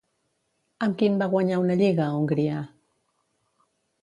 Amb quin va guanyar una lliga a Hongria?